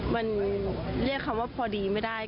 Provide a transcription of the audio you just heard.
มันเรียกคำว่าพอดีไม่ได้